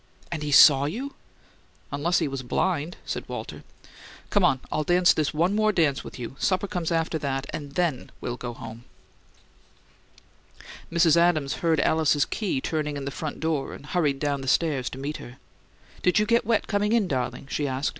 "And he saw you?" "Unless he was blind!" said Walter. "Come on, I'll dance this one more dance with you. Supper comes after that, and THEN we'll go home." Mrs. Adams heard Alice's key turning in the front door and hurried down the stairs to meet her. "Did you get wet coming in, darling?" she asked.